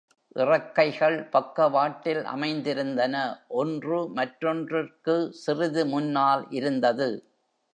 இறக்கைகள் பக்கவாட்டில் அமைந்திருந்தன, ஒன்று மற்றொன்றுக்கு சிறிது முன்னால் இருந்தது.